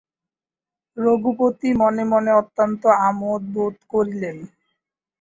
রঘুপতি মনে মনে অত্যন্ত আমোদ বোধ করিলেন।